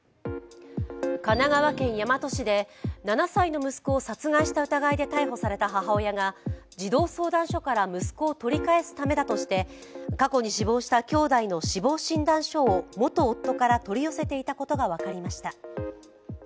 神奈川県大和市で７歳の息子を殺害した疑いで逮捕された母親が児童相談所から息子を取り返すためだとして、過去に死亡したきょうだいの死亡診断書を元夫から取り寄せていたことが分かりました。